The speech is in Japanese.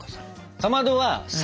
かまどは坂。